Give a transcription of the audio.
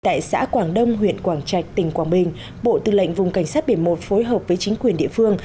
tại xã quảng đông huyện quảng trạch tỉnh quảng bình bộ tư lệnh vùng cảnh sát biển một phối hợp với chính quyền địa phương